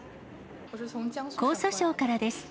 江蘇省からです。